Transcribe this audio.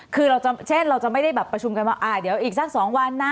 คือเราจะไม่ได้ประชุมกันว่าเดี๋ยวอีกสัก๒วันนะ